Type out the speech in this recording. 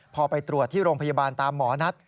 พอไปตรวจที่โรงพยาบาลตามหมอนัด